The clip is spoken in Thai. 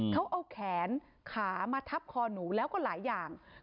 เขาเอาแขนขามาทับคอหนูแล้วก็หลายอย่าง